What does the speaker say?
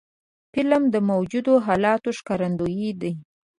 فلم د موجودو حالاتو ښکارندوی دی